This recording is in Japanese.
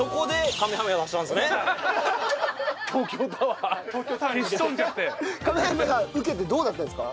かめはめ波受けてどうだったんですか？